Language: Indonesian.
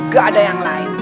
gak ada yang lain